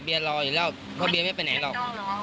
เบียไม่เหลี่ยมหรอก